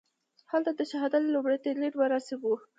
هلته د شهادت لومړي تلین مراسم وو.